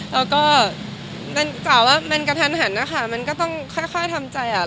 แล้วก็เป็นกระทันนะคะมันก็ต้องค่อยทำใจอะ